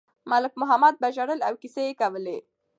ملک محمد به ژړل او کیسې یې کولې.